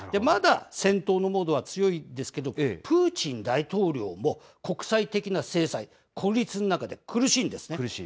まだ戦闘のモードは強いですけど、プーチン大統領も、国際的な制裁、孤立の中で苦しいんですね。